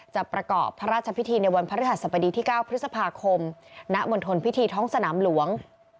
จะประเกาะพระราชพิธีในวันพระธรรมดีที่เก้าพฤษภาคมณมณฑลพิธีท้องสนามหลวง